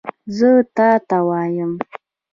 زه تا ته وایم !